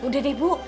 udah deh bu